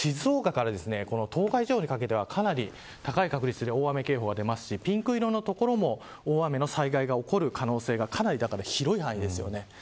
それから静岡から東海地方にかけてはかなり高い確率で大雨警報が出ますしピンク色の所も大雨の警報が起こる可能性がかなり高いです。